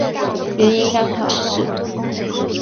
原因刚好是